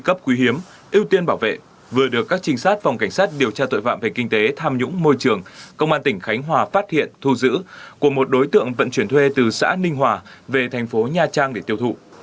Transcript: các cấp quý hiếm ưu tiên bảo vệ vừa được các trinh sát phòng cảnh sát điều tra tội phạm về kinh tế tham nhũng môi trường công an tỉnh khánh hòa phát hiện thu giữ của một đối tượng vận chuyển thuê từ xã ninh hòa về thành phố nha trang để tiêu thụ